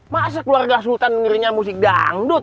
masa keluarga sultan dengernya musik dangdut